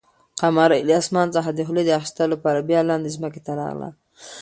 قمرۍ له اسمانه څخه د خلي د اخیستلو لپاره بیا لاندې ځمکې ته راغله.